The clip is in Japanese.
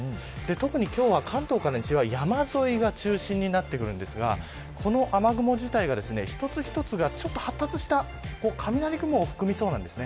特に今日は関東から西は山沿いが中心になってくるんですがこの雨雲自体が一つ一つがちょっと発達した雷雲を含みそうなんです。